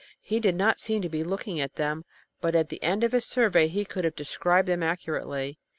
He did not seem to be looking at them, but at the end of his survey he could have described them accurately.